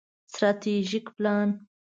ستراتیژیک پلان